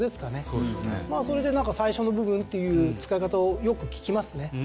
それでなんか最初の部分っていう使い方をよく聞きますね。